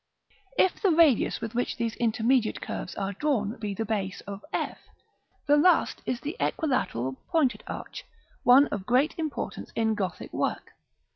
If the radius with which these intermediate curves are drawn be the base of f, the last is the equilateral pointed arch, one of great importance in Gothic work.